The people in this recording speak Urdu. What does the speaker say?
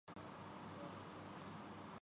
سارے کے سارے مریض بے بس و لاچار۔